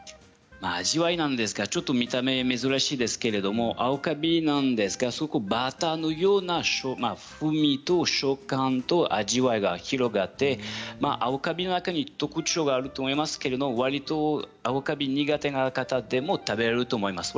味わいなんですが見た目、珍しいですが青かびなんですがバターのような風味と食感と味わいが広がって青カビの中に特徴があると思いますけれどわりと青カビが苦手な方でも食べられると思います。